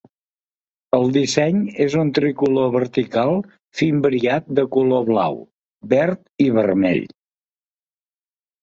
El disseny és un tricolor vertical fimbriat de color blau, verd i vermell.